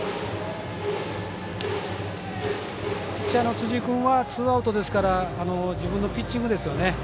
ピッチャーの辻君はツーアウトですから自分のピッチングですよね。